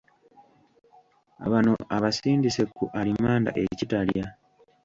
Bano abasindise ku alimanda e Kitalya.